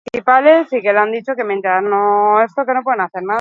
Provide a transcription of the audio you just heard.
Hori dio Ismael Odari Mulo taldeko kideak.